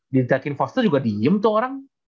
diteriakin foster juga diem tuh orang